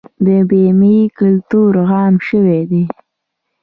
د بیمې کلتور عام شوی دی؟